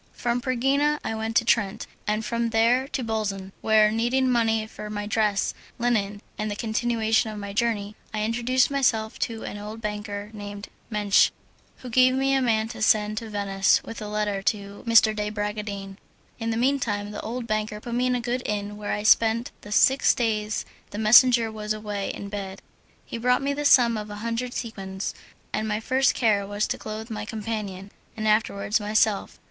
From Pergina I went to Trent and from there to Bolzan, where, needing money for my dress, linen, and the continuation of my journey, I introduced myself to an old banker named Mensch, who gave me a man to send to Venice with a letter to M. de Bragadin. In the mean time the old banker put me in a good inn where I spent the six days the messenger was away in bed. He brought me the sum of a hundred sequins, and my first care was to clothe my companion, and afterwards myself.